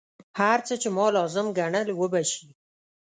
هر څه چې ما لازم ګڼل وبه شي.